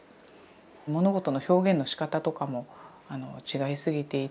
物事の表現のしかたとかも違いすぎていて。